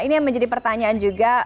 ini yang menjadi pertanyaan juga